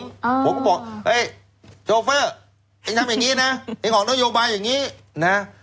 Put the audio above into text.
ผมก็บอกเอ้ยโชเฟอร์เองทำอย่างงี้นะไอ้ออกนโยบายอย่างงี้นะ